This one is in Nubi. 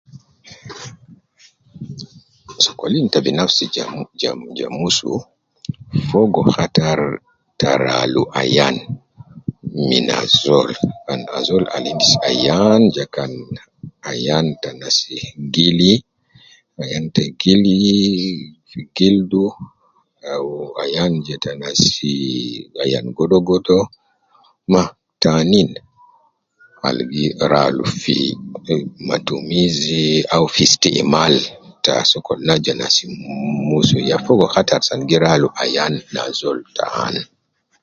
Sokolin te binafsi ja jam ja musu fogo kattar ta ralu ayan min azol kan azol al endis ayan ja kan ayan ta nas gili, ayan te gili gildu eh wu ayan je ta nas ayan godo godo ma tanin al ralu fi matumizi au fi istimal ta sokolna ja nas musu fogo khattar asan gi ralu ayan na azol tan